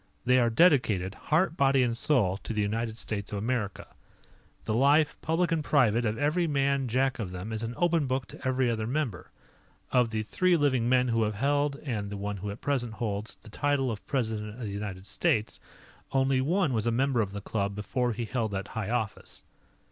They are dedicated, heart, body, and soul to the United States of America. The life, public and private, of every man Jack of them is an open book to every other member. Of the three living men who have held and the one who at present holds the title of President of the United States, only one was a member of the club before he held that high office.